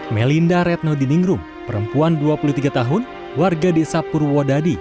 melinda retno diningrum perempuan dua puluh tiga tahun warga desa purwodadi